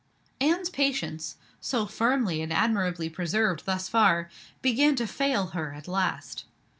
Anne's patience so firmly and admirably preserved thus far began to fail her at last.